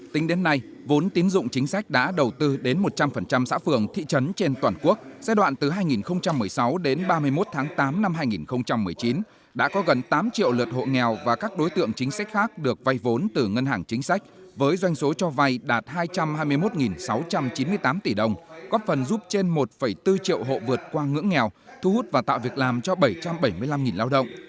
tính đến nay vốn tín dụng chính sách đã đầu tư đến một trăm linh xã phường thị trấn trên toàn quốc giai đoạn từ hai nghìn một mươi sáu đến ba mươi một tháng tám năm hai nghìn một mươi chín đã có gần tám triệu lượt hộ nghèo và các đối tượng chính sách khác được vai vốn từ ngân hàng chính sách với doanh số cho vai đạt hai trăm hai mươi một sáu trăm chín mươi tám tỷ đồng góp phần giúp trên một bốn triệu hộ vượt qua ngưỡng nghèo thu hút và tạo việc làm cho bảy trăm bảy mươi năm lao động